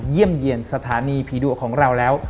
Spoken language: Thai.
เยี่ยมเยี่ยมสถานีผีดุของเราแล้ว